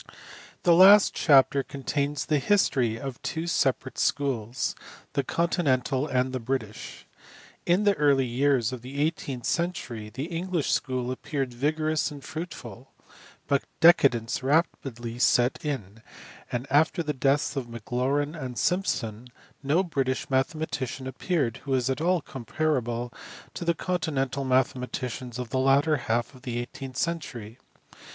THE last chapter contains the history of two separate schools the continental and the British. In the early years of the eighteenth century the English school appeared vigorous and fruitful, but decadence rapidly set in, and after the deaths of Maclaurin and Simpson no British mathematician appeared who is at all comparable to the continental mathematicians of the latter half of the eighteenth century.